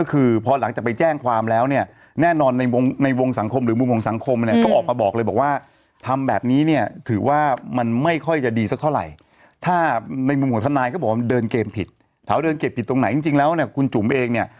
คือพอหลังจากไปแจ้งความแล้วน่ะแน่นอนในวงในวงสังคมหรือมุมวงสังคมก็ออกมาบอกเลยบอกว่าทำแบบนี้เนี่ยถือว่ามันไม่ค่อยจะดีสักเท่าไหร่